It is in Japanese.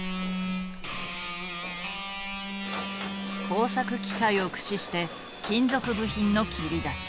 工作機械を駆使して金属部品の切り出し。